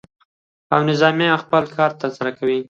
او نظامیان به خپل کار ترسره کوي.